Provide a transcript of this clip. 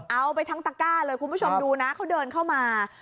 เอาไปทั้งตะก้าเลยคุณผู้ชมดูนะเขาเดินเข้ามา